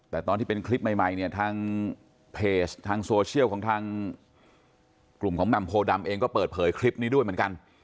แต่ตอนที่เป็นคลิปใหม่เนี่ยทางเพจทางโซเชียลของทางกลุ่มของแหม่มโพดำเองก็เปิดเผยคลิปนี้ด้วยเหมือนกัน